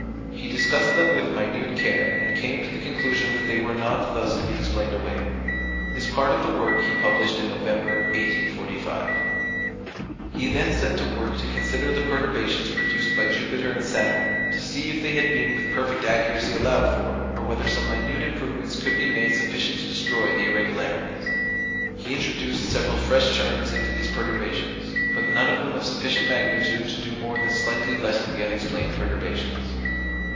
He discussed them with minute care, and came to the conclusion that they were not thus to be explained away. This part of the work he published in November, 1845. He then set to work to consider the perturbations produced by Jupiter and Saturn, to see if they had been with perfect accuracy allowed for, or whether some minute improvements could be made sufficient to destroy the irregularities. He introduced several fresh terms into these perturbations, but none of them of sufficient magnitude to do more than slightly lessen the unexplained perturbations.